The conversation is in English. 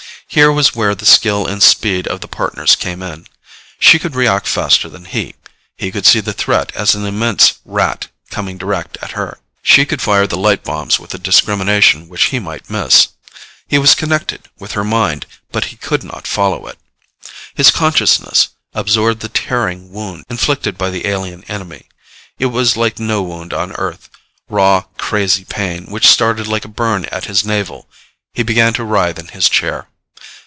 Here was where the skill and speed of the Partners came in. She could react faster than he. She could see the threat as an immense Rat coming direct at her. She could fire the light bombs with a discrimination which he might miss. He was connected with her mind, but he could not follow it. His consciousness absorbed the tearing wound inflicted by the alien enemy. It was like no wound on Earth raw, crazy pain which started like a burn at his navel. He began to writhe in his chair.